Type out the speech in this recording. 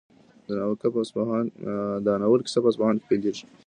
د ناول کیسه په اصفهان کې پیلېږي.